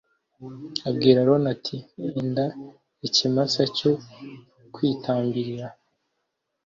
abwira aroni ati enda ikimasa cyo kwitambirira